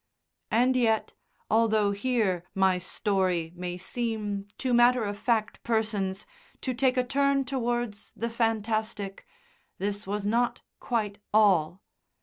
And yet, although, here my story may seem to matter of fact persons to take a turn towards the fantastic, this was not quite all.